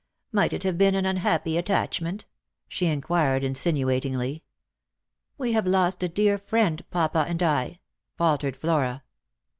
" Might it have been an unhappy attachment? " she inquired insinuatingly. " We have lost a dear friend, papa and I," faltered Flora.